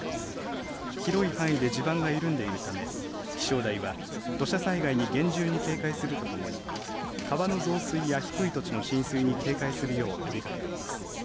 広い範囲で地盤が緩んでいるため気象台は土砂災害に厳重に警戒するとともに川の増水や低い土地の浸水に警戒するよう呼びかけています。